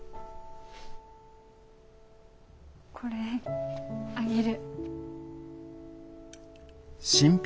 これあげる。